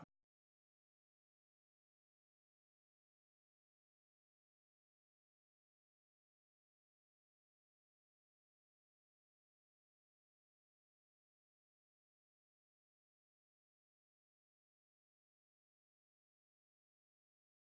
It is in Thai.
สวัสดีครับท่านผู้ชมครับ